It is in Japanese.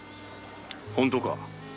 本当か？